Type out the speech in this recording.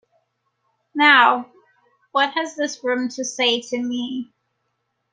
Now, what has this room to say to me?